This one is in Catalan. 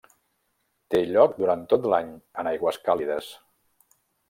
Té lloc durant tot l'any en aigües càlides.